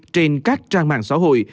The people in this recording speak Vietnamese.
trên các trang mạng xã hội